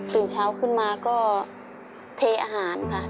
ตื่นเช้าขึ้นมาก็เทอาหารค่ะ